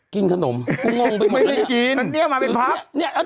กินขนมกูงงไปหมดแบบนี้นี่อามาเป็นพ็อก